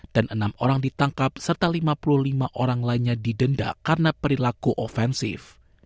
dan enam orang ditangkap serta lima puluh lima orang lainnya didenda karena perilaku ofensif